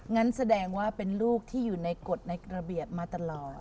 งั้นแสดงว่าเป็นลูกที่อยู่ในกฎในระเบียบมาตลอด